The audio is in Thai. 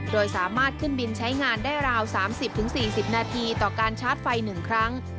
โดยสามารถขึ้นบินใช้งานได้ราว๓๐๔๐นาทีต่อการชาร์จไฟ๑ครั้ง